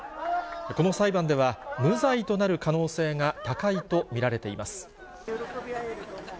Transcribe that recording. この裁判では、無罪となる可能性が高いと見られています。